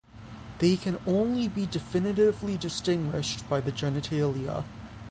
They can only be definitively distinguished by the genitalia.